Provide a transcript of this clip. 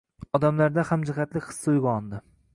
Odamlarda hamjihatlik hissi uyg‘ondi: